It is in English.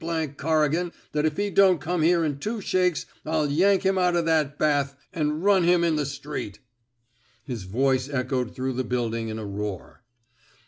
Tell that Corrigan that if he don^t come here in two shakes I'll yank him out o' that bath an' trun him in the street/' His voice echoed through the building in a roar.